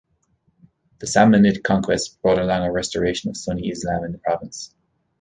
The Samanid conquest brought along a restoration of Sunni Islam in the province.